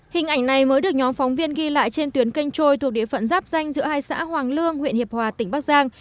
hình ảnh này mới được nhóm phóng viên ghi lại trên tuyến kênh trôi thuộc địa phận giáp danh giữa hai xã hoàng lương huyện hiệp hòa tỉnh bắc giang